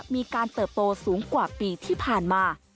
มีการเติบโตสูงกว่าปีที่ผ่านมา